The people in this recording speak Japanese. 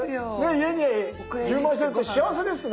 家に充満してるって幸せですね。